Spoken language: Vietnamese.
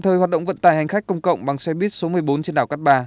thời hoạt động vận tải hành khách công cộng bằng xe buýt số một mươi bốn trên đảo cát bà